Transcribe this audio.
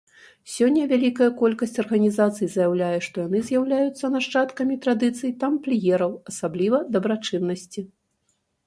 Сёння вялікая колькасць арганізацый заяўляе, што яны з'яўляюцца нашчадкамі традыцый тампліераў, асабліва дабрачыннасці.